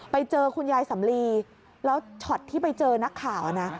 ไปเจอคุณยายสำลีแล้วช็อตที่ไปเจอนักข่าวนะ